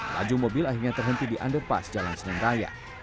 laju mobil akhirnya terhenti di underpass jalan senin raya